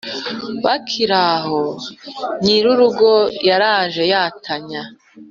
bakiraho nyirirugo yaraje yatanya